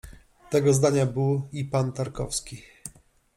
Tego zdania był i pan Tarkowski.